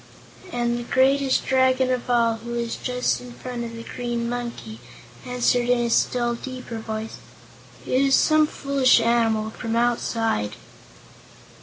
And the greatest Dragon of all, who was just in front of the Green Monkey, answered in a still deeper voice: "It is some foolish animal from Outside."